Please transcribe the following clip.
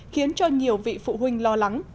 khiến cho nhiều vị phụ huynh lo lắng